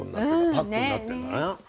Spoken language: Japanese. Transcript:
パックになってんだな。